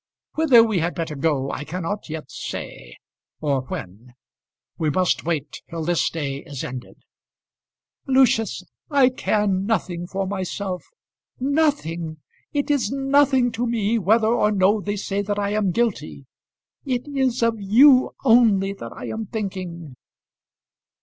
"Whither we had better go, I cannot yet say, or when. We must wait till this day is ended." "Lucius, I care nothing for myself, nothing. It is nothing to me whether or no they say that I am guilty. It is of you only that I am thinking."